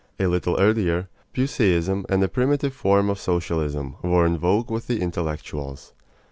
A little earlier, Puseyism and a primitive form of socialism were in vogue with the intellectuals.